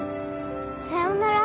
さよなら。